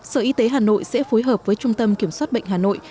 sở y tế hà nội sẽ phối hợp với trung tâm kiểm soát bệnh hà nội